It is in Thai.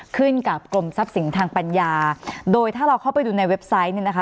ขึ้นกับกรมทรัพย์สินทางปัญญาโดยถ้าเราเข้าไปดูในเว็บไซต์เนี่ยนะคะ